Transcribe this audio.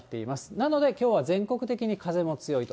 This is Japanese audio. なので、きょうは全国的に風も強いと。